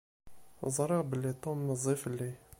Ẓṛiɣ belli Tom meẓẓi fell-i.